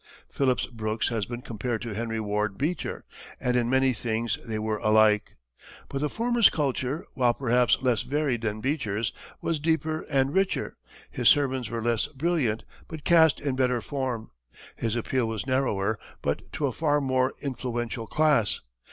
Phillips Brooks has been compared to Henry Ward Beecher, and in many things they were alike. But the former's culture, while perhaps less varied than Beecher's, was deeper and richer, his sermons were less brilliant but cast in better form, his appeal was narrower but to a far more influential class.